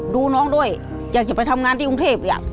ดูน้องด้วยอยากจะไปทำงานที่กรุงเทพอยาก